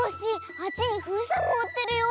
あっちにふうせんもうってるよ。